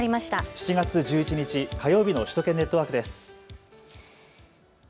７月１１日火曜日の首都圏ネットワークです。